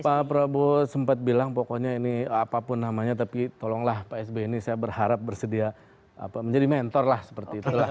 pak prabowo sempat bilang pokoknya ini apapun namanya tapi tolonglah pak sby ini saya berharap bersedia menjadi mentor lah seperti itulah